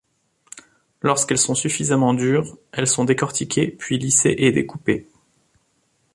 Lorsqu'elles sont suffisamment dures, elles sont décortiquées puis lissées et découpées.